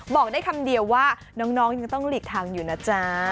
บอกได้คำเดียวว่าน้องยังต้องหลีกทางอยู่นะจ๊ะ